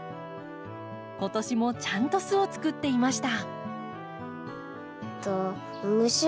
今年もちゃんと巣をつくっていました。